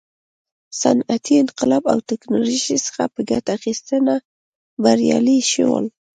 صنعتي انقلاب او ټکنالوژۍ څخه په ګټه اخیستنه بریالي شول.